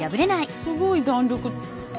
すごい弾力。